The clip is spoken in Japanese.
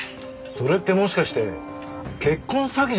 それってもしかして結婚詐欺じゃないの？